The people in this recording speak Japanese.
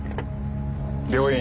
病院。